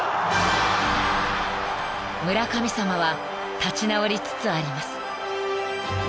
［村神様は立ち直りつつあります］